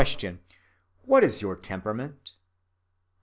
_What is your temperament?